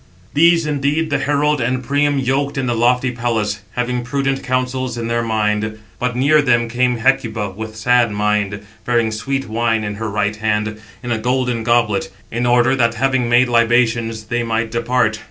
These indeed the herald and Priam yoked in the lofty palace, having prudent counsels in their minds. But near them came Hecuba, with sad mind, bearing sweet wine in her right hand, in a golden goblet, in order that having made libations, they might depart.